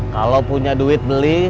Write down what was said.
kalau punya duit beli